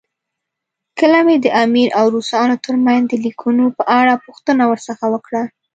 کله مې د امیر او روسانو ترمنځ د لیکونو په اړه پوښتنه ورڅخه وکړه.